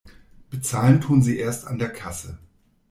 Bezahlen tun Sie erst an der Kasse.